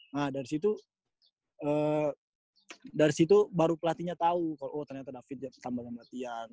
nah dari situ baru pelatihnya tau oh ternyata david ya tambah jam latihan